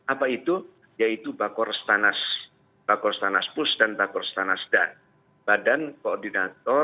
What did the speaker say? apa itu yaitu bakor stanas pus dan bakor stanas dan